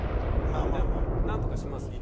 まあでもなんとかしますよ。